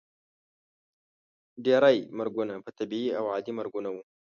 ډیری مرګونه به طبیعي او عادي مرګونه وو.